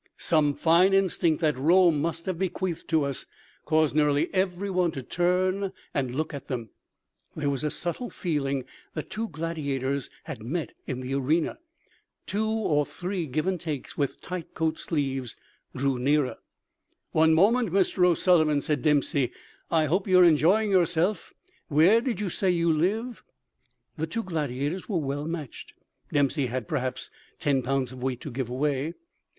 Some fine instinct that Rome must have bequeathed to us caused nearly every one to turn and look at them—there was a subtle feeling that two gladiators had met in the arena. Two or three Give and Takes with tight coat sleeves drew nearer. "One moment, Mr. O'Sullivan," said Dempsey. "I hope you're enjoying yourself. Where did you say you live?" The two gladiators were well matched. Dempsey had, perhaps, ten pounds of weight to give away.